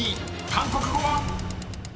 韓国語は⁉］